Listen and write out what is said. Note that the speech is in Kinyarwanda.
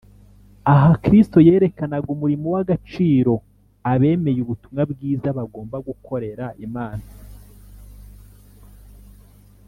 . Aha Kristo yerekanaga umurimo w’agaciro abemeye ubutumwa bwiza bagomba gukorera Imana